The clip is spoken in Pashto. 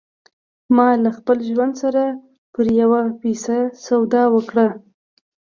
ما له خپل ژوند سره پر یوه پیسه سودا وکړه